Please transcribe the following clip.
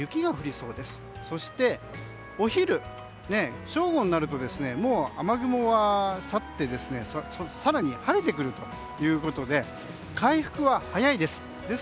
そしてお昼、正午になるともう雨雲は去って更に晴れてくるということで回復は早いです。